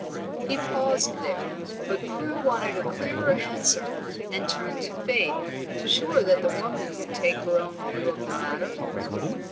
He paused there, but Prue wanted a clearer answer, and turned to Faith, sure that the woman would take her own view of the matter.